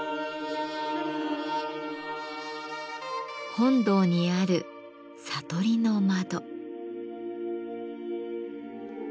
本堂にある「悟りの窓」。